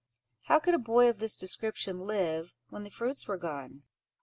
How could a boy of this description live, when the fruits were gone?